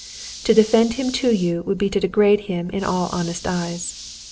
"To defend him to you would be to degrade him in all honest eyes.